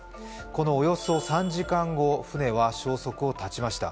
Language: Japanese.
このおよそ３時間後、船は消息を絶ちました。